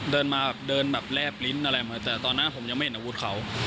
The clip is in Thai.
เดินมาแบบเดินแบบแลบลิ้นอะไรมาแต่ตอนนั้นผมยังไม่เห็นอาวุธเขา